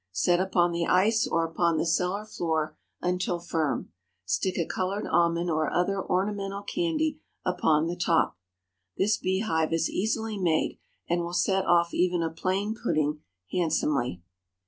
Set upon the ice or upon the cellar floor until firm. Stick a colored almond or other ornamental candy upon the top. This bee hive is easily made, and will set off even a plain pudding handsomely.